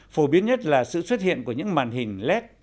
phổ biến nhất là sự xuất hiện của những màn hình led